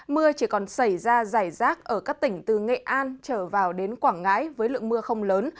mưa chỉ còn xảy ra dài rác ở các tỉnh từ nghệ an trở vào đến quảng ngãi với lượng mưa không lớn